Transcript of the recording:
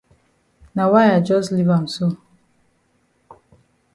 Na yi I jus leave am so.